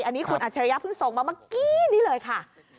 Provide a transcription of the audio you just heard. อันนี้คุณอัจฉริยะเพิ่งส่งมาเมื่อกี้นี้เลยค่ะ